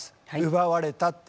「奪われた」って。